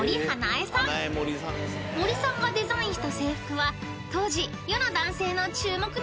［森さんがデザインした制服は当時世の男性の注目の的だったそう］